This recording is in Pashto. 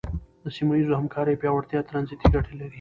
د سیمه ییزو همکاریو پیاوړتیا ترانزیټي ګټې لري.